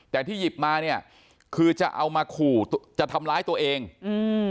แต่ที่หยิบมาเนี้ยคือจะเอามาขู่จะทำร้ายตัวเองอืม